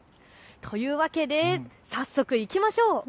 というわけで早速、いきましょう。